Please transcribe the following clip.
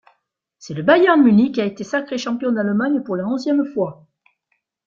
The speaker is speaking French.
C'est le Bayern Munich qui a été sacré champion d'Allemagne pour la onzième fois.